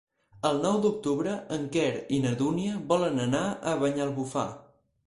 El nou d'octubre en Quer i na Dúnia volen anar a Banyalbufar.